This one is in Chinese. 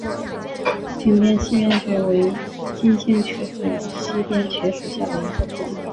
屏边溪边蕨为金星蕨科溪边蕨属下的一个种。